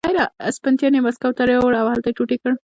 اسټپان یې مسکو ته یووړ او هلته یې ټوټې کړ.